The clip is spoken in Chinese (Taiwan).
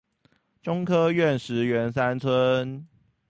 中科院石園三村